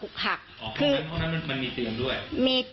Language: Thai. อ๋อเพราะงั้นห้องนั้นมันมีเตียงด้วย